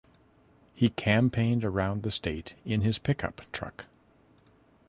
He campaigned around the state in his pickup truck.